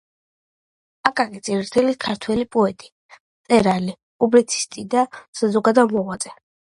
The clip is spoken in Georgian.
აკაკი წერეთელი ქართველი პოეტი, მწერალი, პუბლიცისტი და საზოგადო მოღვაწეა.